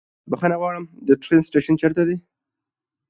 بښنه غواړم، د ټرين سټيشن چيرته ده؟